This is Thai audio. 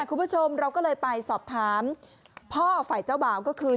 คุณผู้ชมเราก็เลยไปสอบถามพ่อฝ่ายเจ้าบ่าวก็คือ